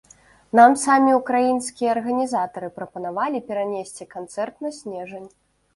Нам самі ўкраінскія арганізатары прапанавалі перанесці канцэрт на снежань.